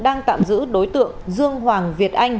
đang tạm giữ đối tượng dương hoàng việt anh